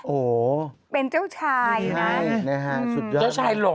โอ้โหเป็นเจ้าชายนะสุดยอดเจ้าชายหล่อ